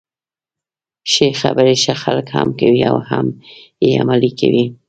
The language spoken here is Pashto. ښې خبري ښه خلک هم کوي او هم يې عملي کوي.